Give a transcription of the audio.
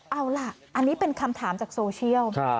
เอาล่ะอันนี้เป็นคำถามจากโซเชียล